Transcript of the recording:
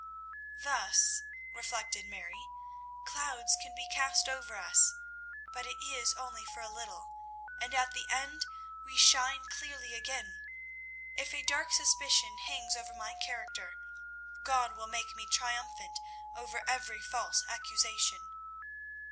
"Thus," reflected Mary, "clouds can be cast over us, but it is only for a little, and at the end we shine clearly again. If a dark suspicion hangs over my character, God will make me triumphant over every false accusation."